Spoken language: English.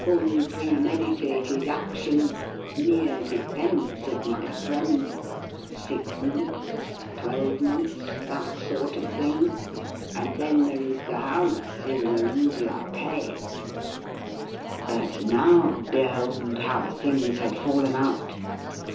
Unpremeditated action — 20 THE RIDDLE RING mere defence of tny friend — six months — twelve months — that sort of thing. And then there is the house in the Rue de la Paix.' But now behold how things had fallen out